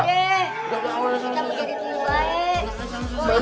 kita mau jadi pembahe